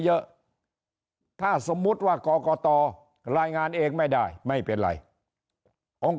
เยอะถ้าสมมุติว่ากรกตรายงานเองไม่ได้ไม่เป็นไรองค์